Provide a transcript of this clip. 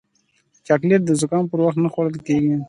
چاکلېټ د زکام پر وخت نه خوړل کېږي.